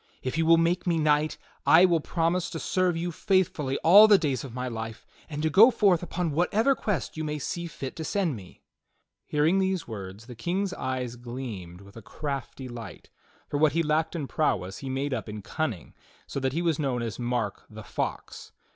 If you will make me knight I will promise to serve you faithfully all the days of my life, and to go forth upon whatever quests you may see fit to send me." Hearing these words, the King's eyes gleamed with a crafty light, for what he lacked in prowess he made up in cunning, so that he was known as Mark the Fox.